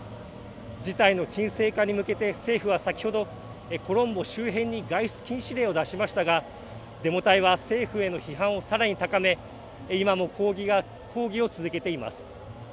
事態の沈静化に向けて政府は先ほどコロンボ周辺に外出禁止令を出しましたがデモ隊は政府への批判をさらに高め今も抗議を続けています。